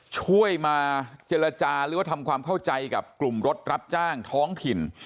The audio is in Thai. ช่วยมาเจรจาหรือว่าทำความเข้าใจกับกลุ่มรถรับจ้างท้องถิ่น